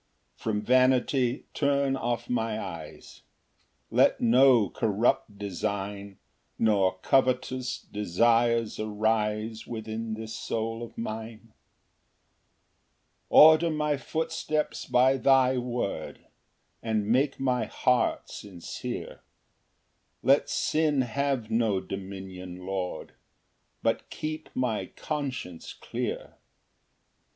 Ver. 37 36. 3 From vanity turn off my eyes: Let no corrupt design, Nor covetous desires arise Within this soul of mine. Ver. 133. 4 Order my footsteps by thy word, And make my heart sincere, Let sin have no dominion, Lord, But keep my conscience clear. Ver.